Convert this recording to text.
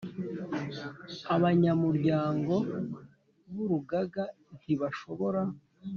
Abanyamuryango b Urugaga ntibashobora